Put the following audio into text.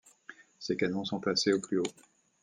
Ses canons sont placés au plus haut.